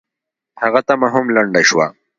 هغه تمه هم لنډه شوه.